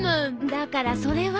だからそれは。